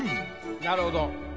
なるほど。